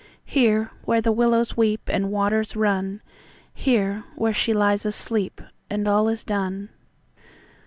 Here, where the willows weepAnd waters run; Here, where she lies asleep, And all is done.